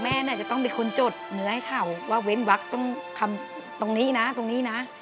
จะต้องเป็นคนจดเนื้อให้เขาว่าเว้นวักต้องทำตรงนี้นะตรงนี้นะ